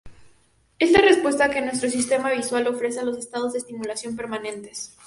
Es la respuesta que nuestro sistema visual ofrece a los estados de estimulación permanentes.